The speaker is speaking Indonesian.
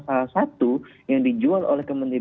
salah satu yang dijual oleh kementerian